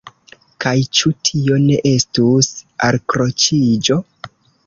Kaj ĉu tio ne estus alkroĉiĝo?